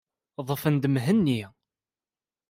Ḍḍfent-d Mhenni.